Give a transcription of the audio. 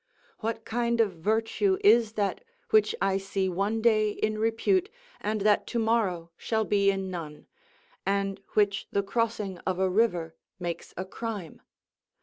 What kind of virtue is that which I see one day in repute, and that to morrow shall be in none, and which the crossing of a river makes a crime?